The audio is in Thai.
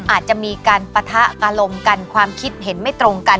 อาจจะมีการปะทะอารมณ์กันความคิดเห็นไม่ตรงกัน